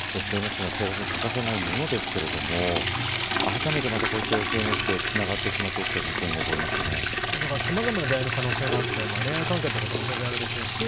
ＳＮＳは生活に欠かせないものですがあらためて、こうやってＳＮＳでつながってしまって起きたさまざまな出会いの可能性があって恋愛関係とかもあるでしょうし